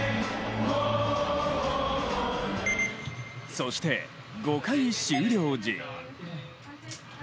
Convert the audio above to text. そして５回終了時。